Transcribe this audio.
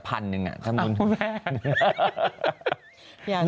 ถ้ามึงพ่อแพทย์